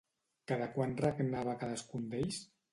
Cada quant regnava cadascun d'ells?